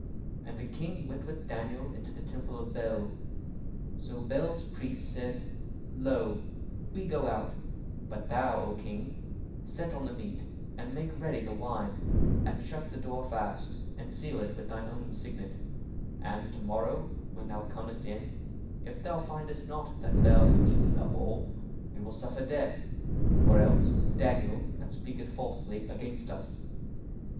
And the king went with Daniel into the temple of Bel. 1:11 So Bel's priests said, Lo, we go out: but thou, O king, set on the meat, and make ready the wine, and shut the door fast and seal it with thine own signet; 1:12 And to morrow when thou comest in, if thou findest not that Bel hath eaten up all, we will suffer death: or else Daniel, that speaketh falsely against us.